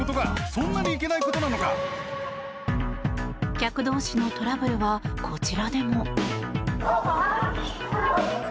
客同士のトラブルはこちらでも。